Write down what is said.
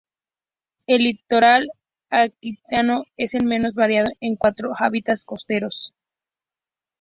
El litoral aquitano es el menos variado en cuanto a hábitats costeros.